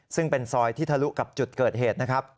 ซึ่งเป็นซอยที่ทะลุกับจุดเกิดเหตุนะครับ